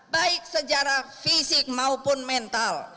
baik secara fisik maupun mental